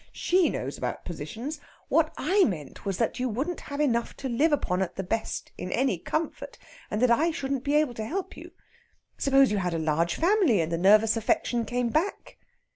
She knows about positions. What I meant was that you wouldn't have enough to live upon at the best, in any comfort, and that I shouldn't be able to help you. Suppose you had a large family, and the nervous affection came back?"